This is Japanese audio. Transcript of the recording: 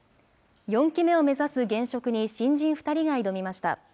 ４期目を目指す現職に、新人２人が挑みました。